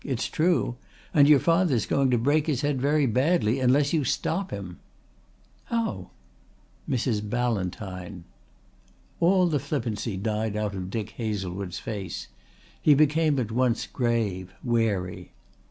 It's true. And your father's going to break his head very badly unless you stop him." "How?" "Mrs. Ballantyne." All the flippancy died out of Dick Hazlewood's face. He became at once grave, wary.